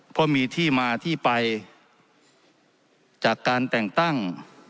เพราะมีที่มาที่ไปจากการแต่งตั้ง